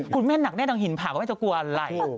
คุณแม่หนักแน่ดังหินผ่าก็แม่จะกลัวอะไร